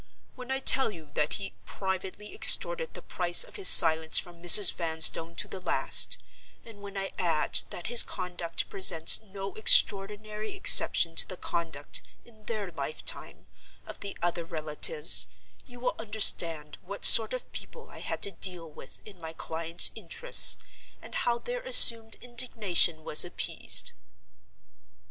When I tell you that he privately extorted the price of his silence from Mrs. Vanstone to the last; and when I add that his conduct presents no extraordinary exception to the conduct, in their lifetime, of the other relatives—you will understand what sort of people I had to deal with in my client's interests, and how their assumed indignation was appeased.